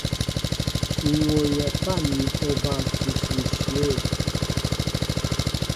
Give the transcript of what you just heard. M̀ wooyɛ pân ni oba ǹsʉsʉ ǹshyə̂.